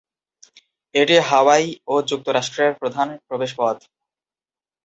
এটি হাওয়াই ও যুক্তরাষ্ট্রের প্রধান প্রবেশপথ।